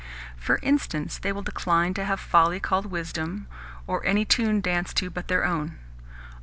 For instance, they will decline to have folly called wisdom, or any tune danced to but their own.